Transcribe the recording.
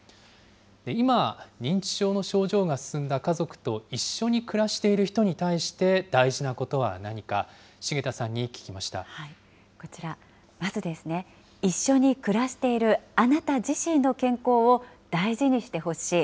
今、認知症の症状が進んだ家族と一緒に暮らしている人に対して大事なことは何か、こちら、まずですね、一緒に暮らしているあなた自身の健康を大事にしてほしい。